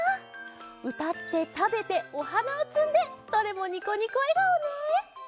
うたってたべておはなをつんでどれもニコニコえがおね！